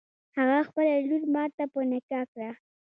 هغه خپله لور ماته په نکاح کړه.